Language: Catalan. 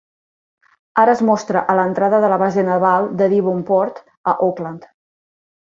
Ara es mostra a l'entrada de la base naval de Devonport a Auckland.